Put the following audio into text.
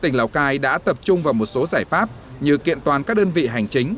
tỉnh lào cai đã tập trung vào một số giải pháp như kiện toàn các đơn vị hành chính